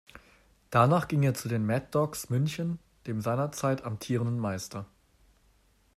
Danach ging er zu den Mad Dogs München, dem seinerzeit amtierenden Meister.